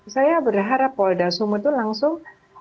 saya berharap polda sumut itu langsung